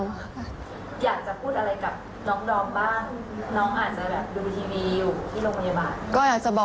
อยากจะพูดอะไรกับน้องดอมบ้างน้องอาจจะแบบดูทีวีอยู่ที่โรงพยาบาลก็อยากจะบอก